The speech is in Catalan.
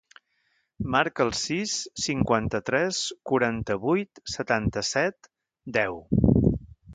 Marca el sis, cinquanta-tres, quaranta-vuit, setanta-set, deu.